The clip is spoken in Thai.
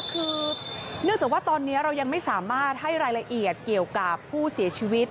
คือเนื่องจากว่าตอนนี้เรายังไม่สามารถให้รายละเอียดเกี่ยวกับผู้เสียชีวิต